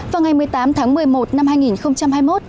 vào ngày một mươi tám tháng một mươi một năm hai nghìn hai mươi một